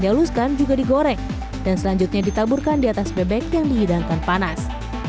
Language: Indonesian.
dihaluskan juga digoreng dan selanjutnya ditaburkan di atas bebek yang dihidangkan panas